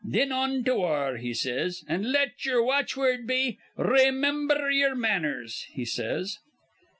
'Thin on to war,' he says; 'an' let ye'er watchword be, "Raymimber ye'er manners,"' he says.